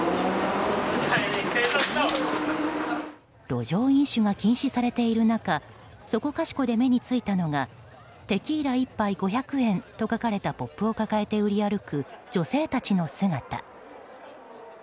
路上飲酒が禁止されている中そこかしこで目に付いたのがテキーラ１杯５００円と書かれたポップを抱えて売り歩く女性たちの姿。